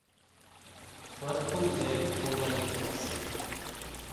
ٻرتون زيرين اولائي زائي سي،